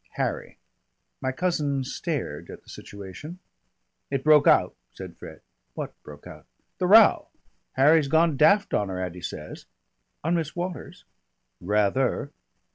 "Harry." My cousin stared at the situation. "It broke out," said Fred. "What broke out?" "The row. Harry's gone daft on her, Addy says." "On Miss Waters?" "Rather.